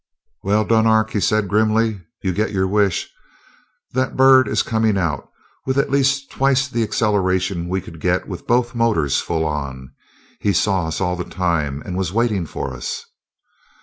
"Well, Dunark," he said grimly. "You get your wish. That bird is coming out, with at least twice the acceleration we could get with both motors full on. He saw us all the time, and was waiting for us."